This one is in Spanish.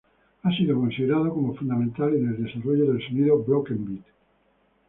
Ha sido considerado como fundamental en el desarrollo del sonido broken beat.